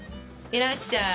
いらっしゃい！